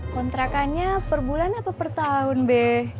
kontrakannya perbulan apa pertahun be